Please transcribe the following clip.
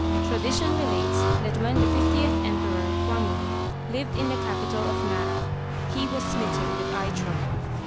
Tradition relates that when the fiftieth Emperor Kwammu lived in the capital of Nara, he was smitten with eye trouble.